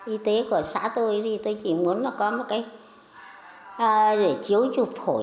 y tế của xã tôi thì tôi chỉ muốn là có một cái để chiếu chụp phổi